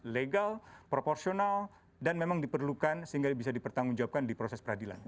legal proporsional dan memang diperlukan sehingga bisa dipertanggungjawabkan di proses peradilan